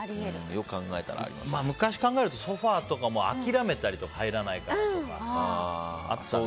昔考えるとソファとかも諦めたりとか入らないからとか、あったな。